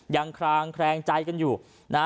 ยังคลางแครงใจกันอยู่นะ